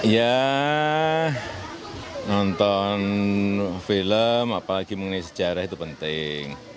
ya nonton film apalagi mengenai sejarah itu penting